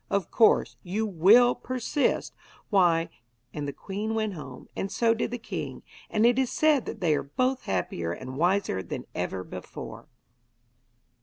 Of course, if you will persist, why ' And the queen went home, and so did the king; and it is said that they are both happier and wiser than ever before.